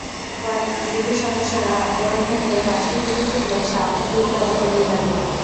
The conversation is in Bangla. পরে বিজিবি সদস্যরা আত্মরক্ষার্থে পাঁচটি গুলি ছুড়লে শাওনের দুই পায়ে গুলি লাগে।